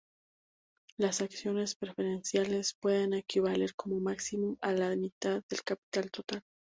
Las Acciones preferenciales pueden equivaler como máximo a la mitad del capital total.